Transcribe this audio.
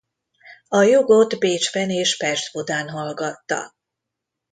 A jogot Bécsben és Pest-Budán hallgatta.